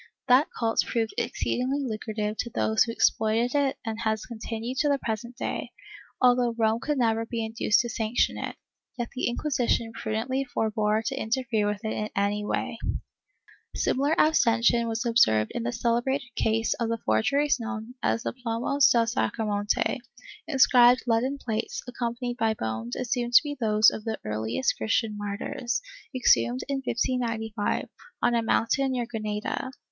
That cult proved exceedingly lucrative to those who exploited it and has continued to the present day, although Rome could never be induced to sanction it, yet the Inquisition prudently forbore to interfere with it in any way.^ Similar abstention was observed in the celebrated case of the for geries known as the Plomos del Sacromonte — inscribed leaden plates, accompanied by bones assumed to be those of the earliest Christian martyrs, exhumed in 1595, on a mountain near Granada.